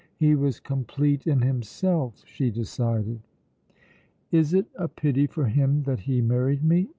He was complete in himself, she decided. "Is it a pity for him that he married me?